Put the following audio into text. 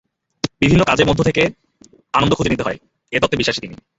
বিভিন্ন কাজে মধ্য থেকে আনন্দ খুঁজে নিতে হয়—এ তত্ত্বে বিশ্বাসী তিনি।